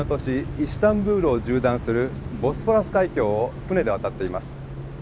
イスタンブールを縦断するボスポラス海峡を船で渡っています。